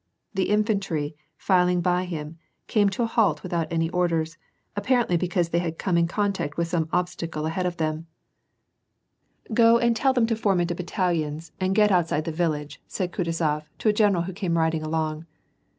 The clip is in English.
The infantnr, filing by him, came to a halt without any orders, apparently because they had come in contact with some obstacle ahead of them. " Go and tell them to form into battalions and get outside WAR AND PEACE. 885 the irillage," said Kutuzof to a general who came ridiDg along.